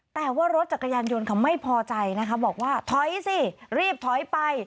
แต่ว่ารถจักรยานยนต์เขาไม่พอใจนะคะบอกว่าถอยสิรีบถอยไป